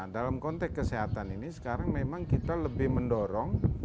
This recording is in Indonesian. dalam konteks kesehatan ini sekarang memang kita lebih mendorong